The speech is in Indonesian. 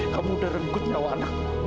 kamu udah renggut nyawa anak